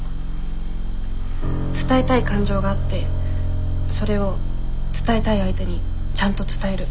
伝えたい感情があってそれを伝えたい相手にちゃんと伝える。